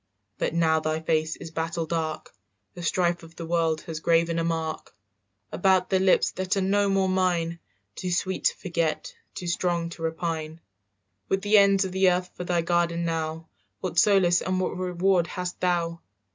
"But now thy face is battle dark; The strife of the world has graven a mark "About the lips that are no more mine, Too sweet to forget, too strong to repine. "With the ends of the earth for thy garden now, What solace and what reward hast thou?"